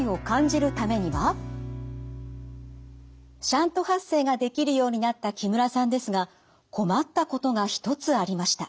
シャント発声ができるようになった木村さんですが困ったことが一つありました。